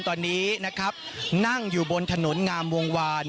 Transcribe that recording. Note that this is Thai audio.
ตอนนี้นะครับนั่งอยู่บนถนนงามวงวาน